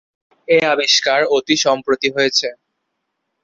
এই আবিষ্কার অতি সম্প্রতি হয়েছে।